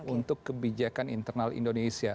untuk kebijakan internal indonesia